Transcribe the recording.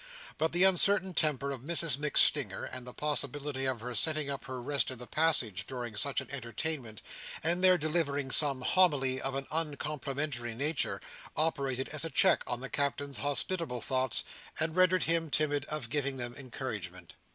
But the uncertain temper of Mrs MacStinger, and the possibility of her setting up her rest in the passage during such an entertainment, and there delivering some homily of an uncomplimentary nature, operated as a check on the Captain's hospitable thoughts, and rendered him timid of giving them encouragement.